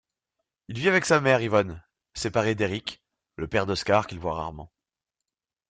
Il vit avec sa mère Yvonne, séparée d'Erik, le père d'Oskar qu'il voit rarement.